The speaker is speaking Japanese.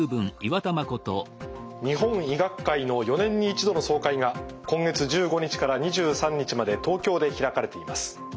日本医学会の４年に一度の総会が今月１５日から２３日まで東京で開かれています。